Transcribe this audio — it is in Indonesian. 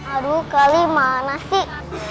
aduh kali mana sih